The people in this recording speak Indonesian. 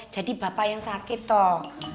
jadi bapak yang sakit toh